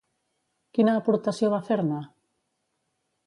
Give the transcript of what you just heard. Quina aportació va fer-ne?